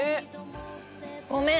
ごめん。